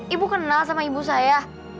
ibu kenal sama ibu saya